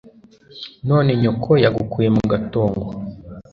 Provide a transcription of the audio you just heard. None nyoko yagukuye mu gatongo